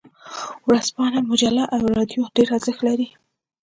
ورځپاڼه، مجله او رادیو ډیر ارزښت لري.